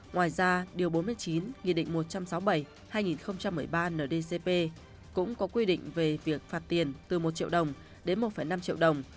ngoài ra điều bốn mươi chín nghị định một trăm sáu mươi bảy hai nghìn một mươi ba ndcp cũng có quy định về việc phạt tiền từ một triệu đồng đến một năm triệu đồng